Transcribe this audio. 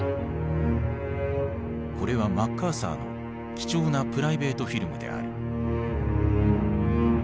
これはマッカーサーの貴重なプライベートフィルムである。